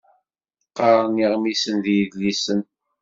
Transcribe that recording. Qqaren iɣmisen d yidlisen.